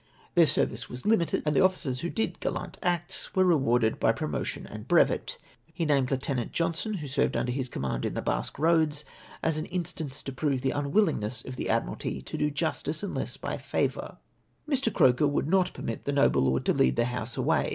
Their service was limited, and officers who did gallant acts were rewarded by promotion and l)revet. He named Lieutenant Johnson, who served under his command in the Basque Eoads, as an instance to prove the unwilling ness of the Admiralty to do justice unless by favour." " Mr. Croker would not permit the noble lord to lead the House away